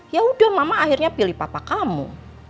ya udah mama akhirnya pilih papa kamu